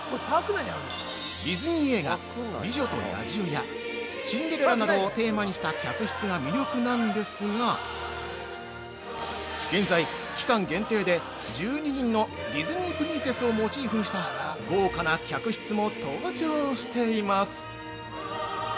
ディズニー映画「美女と野獣」や「シンデレラ」などをテーマにした客室が魅力なんですが現在、期間限定で１２人のディズニープリンセスをモチーフにした豪華な客室も登場しています。